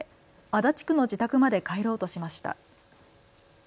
足立区の自宅まで帰ろうとしました。